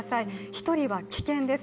１人は危険です。